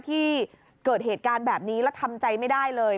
ที่เกิดเหตุการณ์แบบนี้แล้วทำใจไม่ได้เลย